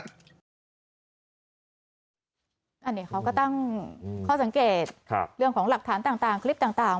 อันนี้เขาก็ตั้งข้อสังเกตเรื่องของหลักฐานต่างคลิปต่าง